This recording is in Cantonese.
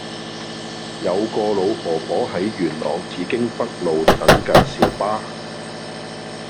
有個老婆婆喺元朗紫荊北路等緊小巴